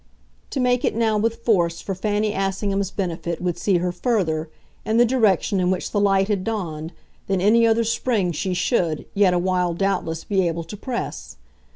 To make it now with force for Fanny Assingham's benefit would see her further, in the direction in which the light had dawned, than any other spring she should, yet awhile, doubtless, be able to press.